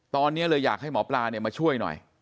ตอนนี้เลยอยากให้หมอปลามาช่วยหน่อย